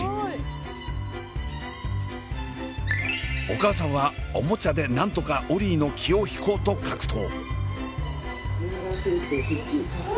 お母さんはおもちゃでなんとかオリィの気を引こうと格闘。